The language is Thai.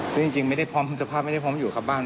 ซึ่งจริงไม่ได้พร้อมคุณสภาพไม่ได้พร้อมอยู่กับบ้าน